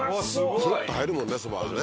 「スルッと入るもんねそばはね」